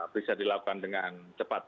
bisa dilakukan dengan cepat